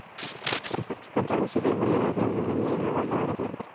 Contrajo sida y murió de neumonía en Nueva York en el St.